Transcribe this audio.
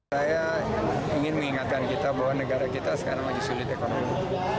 saya ingin mengingatkan kita bahwa negara kita sekarang lagi sulit ekonomi